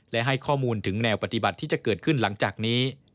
และให้ข้อมูลถึงแนวปฏิบัติที่จะเกิดขึ้นหลังจากนี้